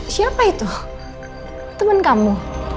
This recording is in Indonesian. siapa itu temen kamu